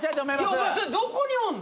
いやお前それどこにおんの？